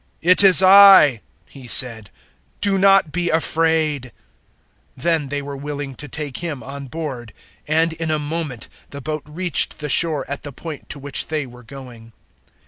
"It is I," He said, "do not be afraid." 006:021 Then they were willing to take Him on board; and in a moment the boat reached the shore at the point to which they were going.